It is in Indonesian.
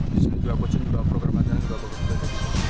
di sini juga coach nya program nya juga bagus